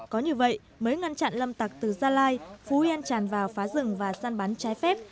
có như vậy mới ngăn chặn lâm tặc từ gia lai phú yên tràn vào phá rừng và săn bắn trái phép